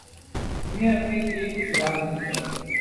انہیں اپنے کیے کی سزا ملنی چاہیے۔